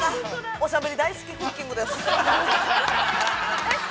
おしゃべり大好きクッキング。